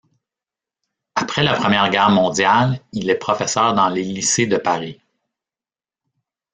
Après la Première Guerre mondiale, il est professeur dans les lycées de Paris.